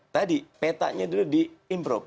tadi petanya dulu di improve